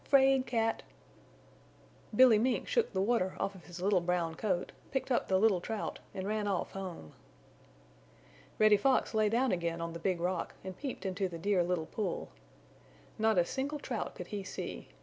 Fraid cat!" Billy Mink shook the water off of his little brown coat, picked up the little Trout and ran off home. Reddy Fox lay down again on the Big Rock and peeped into the Dear Little Pool. Not a single Trout could he see.